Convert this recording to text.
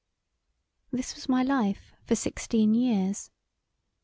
This was my life for sixteen years.